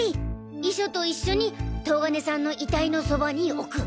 遺書と一緒に東金さんの遺体のそばに置く。